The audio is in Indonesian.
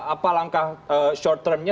apa langkah short term nya